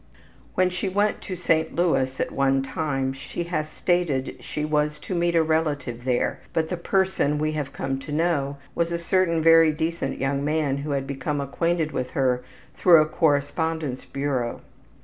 When she went to St. Louis at one time she had stated she was to meet a relative there, but the person, we have come to know, was a certain very decent young man who had become acquainted with her through a correspondence bureau.